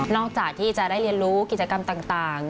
จากที่จะได้เรียนรู้กิจกรรมต่าง